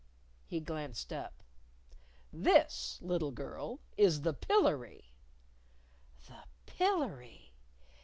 He glanced up. "This, little girl, is the Pillery." The Pillery!